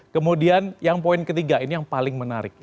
kemudian yang poin ketiga ini yang paling menarik